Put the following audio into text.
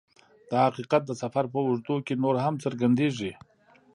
دا حقیقت د سفر په اوږدو کې نور هم څرګندیږي